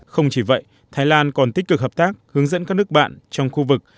không chỉ vậy thái lan còn tích cực hợp tác hướng dẫn các nước bạn trong khu vực